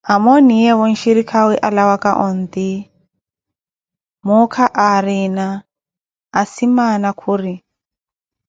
Amooniyeevo nxhirikhawe alawaka onti, muukha aarina asimaana khuri.